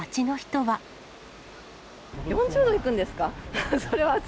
４０度いくんですか。